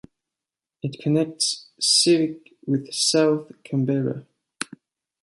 It connects Civic with South Canberra.